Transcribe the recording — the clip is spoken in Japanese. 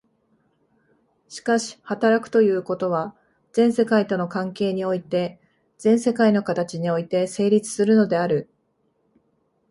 しかし働くということは、全世界との関係において、全世界の形において成立するのである。